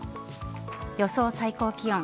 予想最高気温。